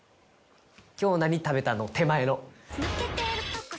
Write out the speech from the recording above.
「今日何食べた？」の手前の。